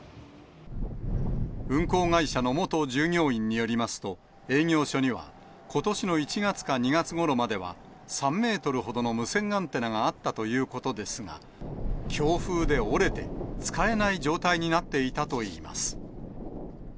運航会社の元従業員によりますと、営業所には、ことしの１月か２月ごろまでは、３メートルほどの無線アンテナがあったということですが、強風で折れて、使えない状態になっていたといいます。